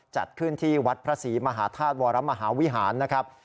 จัดขึ้นที่วัดพระศรีมหาธาตุวรมหาวิหารนะครับ